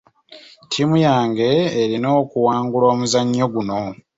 Ttiimu yange erina okuwangula omuzannyo guno.